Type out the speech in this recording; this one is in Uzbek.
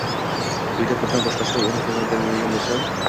uyida puldan boshqasiga o'rin qoldirmaydiganlardan bo'lmasa